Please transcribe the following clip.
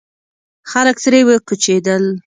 خلک ترې وکوچېدل.